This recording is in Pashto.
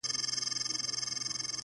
څه به د «میني انتظار» له نامردانو کوو!!